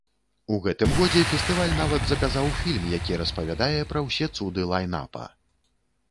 У гэтым годзе фестываль нават заказаў фільм, які распавядае пра ўсе цуды лайн-апа.